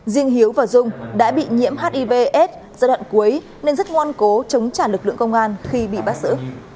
riêng hiếu và dung đã bị nhiễm hivs giai đoạn cuối nên rất ngoan cố chống trả lực lượng công an khi bị bắt xử